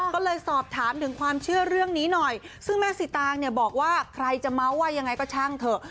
ก็เลยสอบถามถึงความเชื่อเรื่องนี้หน่อยซึ่งแม่สิตางเนี่ยบอกว่าใครจะเมาส์ว่ายังไงก็ช่างเถอะ